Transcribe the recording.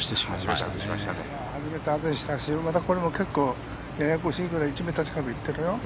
外したしこれも結構ややこしいぐらい１ｍ近く行ってるよ。